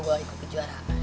kalau gua ikut ke juara